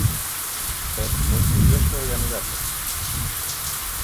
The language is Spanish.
Es muy curioso y amigable.